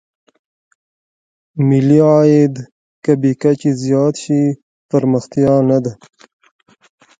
ملي عاید که بې کچې زیات شي پرمختیا نه ده.